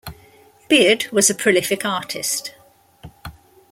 Beard was a prolific artist.